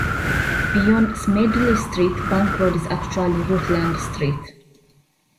Beyond Smedley Street, Bank Road is actually Rutland Street.